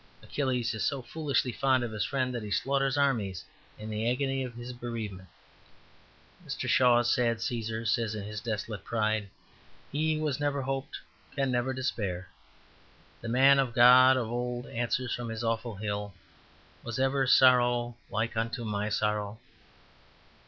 Achilles is so foolishly fond of his friend that he slaughters armies in the agony of his bereavement. Mr. Shaw's sad Caesar says in his desolate pride, "He who has never hoped can never despair." The Man God of old answers from his awful hill, "Was ever sorrow like unto my sorrow?"